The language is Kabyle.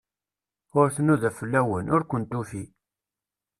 Ur tnuda fell-awen, ur ken-tufi.